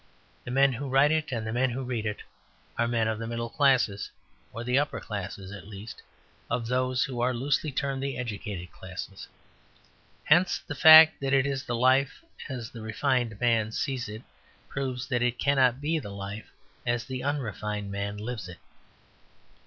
The men who write it, and the men who read it, are men of the middle classes or the upper classes; at least, of those who are loosely termed the educated classes. Hence, the fact that it is the life as the refined man sees it proves that it cannot be the life as the unrefined man lives it.